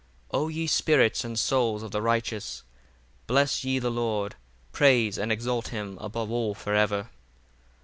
64 O ye spirits and souls of the righteous, bless ye the Lord: praise and exalt him above all for ever.